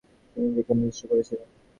তিনি নিজেকে নিশ্চিহ্ন করেছিলেন"।